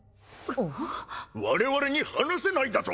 我々に話せないだと！？